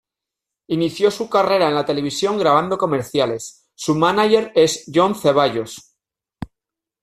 Inició su carrera en la televisión grabando comerciales, su mánager es John Ceballos.